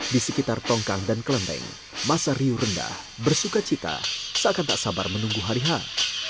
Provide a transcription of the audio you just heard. di sekitar tongkang dan kelenteng masa riu rendah bersuka cita seakan tak sabar menunggu hari hari